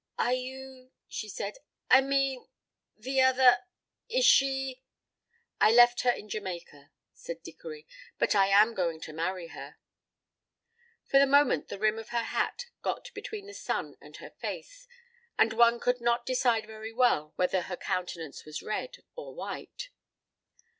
"Are you," she said, "I mean ... the other, is she " "I left her in Jamaica," said Dickory, "but I am going to marry her." For a moment the rim of her hat got between the sun and her face, and one could not decide very well whether her countenance was red or white.